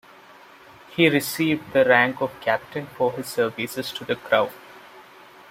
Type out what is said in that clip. He received the rank of captain for his services to the Crown.